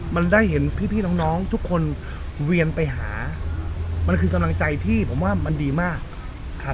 มันได้เห็นพี่น้องทุกคนเวียนไปหามันคือกำลังใจที่ผมว่ามันดีมากครับ